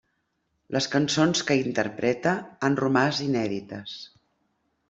Les cançons que hi interpreta han romàs inèdites.